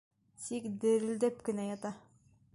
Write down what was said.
Тик дерелдәп кенә ята.